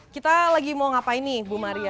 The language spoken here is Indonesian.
kita lagi mau ngapain nih bu maria